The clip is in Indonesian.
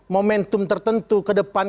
momentum tertentu ke depan